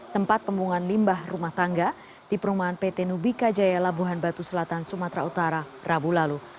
tempat pembuangan limbah rumah tangga di perumahan pt nubika jaya labuhan batu selatan sumatera utara rabu lalu